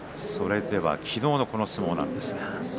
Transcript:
昨日の相撲です。